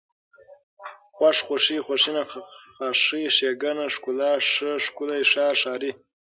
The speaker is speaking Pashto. خوښ، خوښي، خوښېنه، خاښۍ، ښېګڼه، ښکلا، ښه، ښکلی، ښار، ښاري